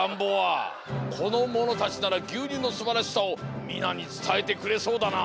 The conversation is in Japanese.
このものたちならぎゅうにゅうのすばらしさをみなにつたえてくれそうだなあ。